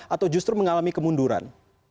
atau justru mengalami kemunduran